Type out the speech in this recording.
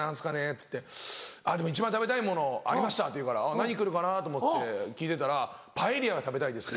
っつって「でも一番食べたいものありました」って言うから何来るかな？と思って聞いてたら「パエリアが食べたいです」。